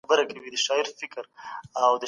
تاسي ولي داسي په خپګان کي سواست؟